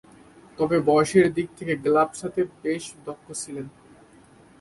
তবে, বয়সের দিক দিয়ে গ্লাভস হাতে বেশ দক্ষ ছিলেন।